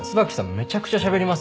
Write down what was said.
めちゃくちゃしゃべりますね。